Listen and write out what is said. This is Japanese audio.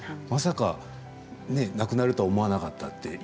まさか、亡くなるとは思わなかったって。